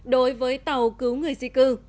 đối với tàu cứu người di cư